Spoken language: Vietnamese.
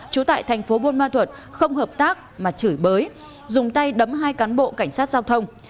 trú tại thành phố buôn ma thuật không hợp tác mà chửi bới dùng tay đấm hai cán bộ cảnh sát giao thông